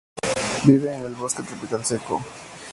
Vive en el bosque tropical seco.